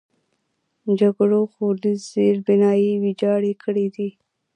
جګړو ښوونیز زیربناوې ویجاړې کړي دي.